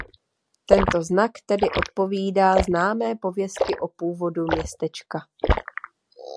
Tento znak tedy odpovídá známé pověsti o původu městečka.